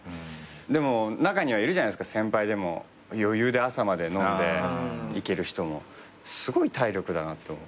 でも中にはいるじゃないですか先輩でも余裕で朝まで飲んでいける人もすごい体力だなって思う。